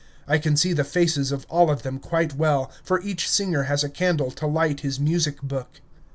I can see the faces of all of them quite well, for each singer has a candle to light his music book.